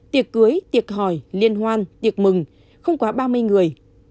tiệc cưới tiệc hỏi liên hoan tiệc mừng không quá ba mươi người